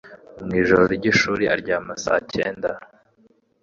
Mu ijoro ry’ishuri aryama saa cyenda